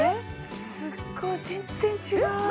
すっごい全然違うえ？